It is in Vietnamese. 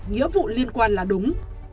nghĩa vụ liên quan là đúng